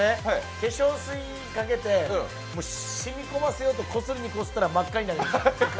化粧水かけて染み込ませようとこすりにこすったら真っ赤になりました。